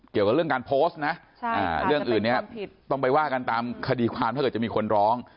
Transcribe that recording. เกี่ยวกับเรื่องการโพสต์นะเรื่องอื่นเนี่ยต้องไปว่ากันตามคดีความถ้าเกิดจะมีคนร้อง